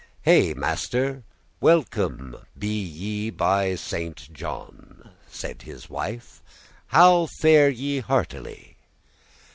"Hey master, welcome be ye by Saint John," Saide this wife; "how fare ye heartily?"